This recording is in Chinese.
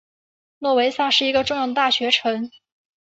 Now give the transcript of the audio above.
诺维萨是一个重要的大学城。